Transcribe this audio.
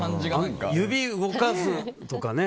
指、動かすとか。